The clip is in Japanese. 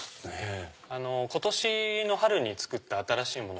今年の春に作った新しいものが。